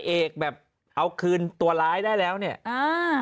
เอกแบบเอาคืนตัวร้ายได้แล้วเนี่ยอ่า